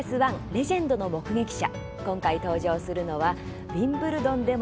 「レジェンドの目撃者」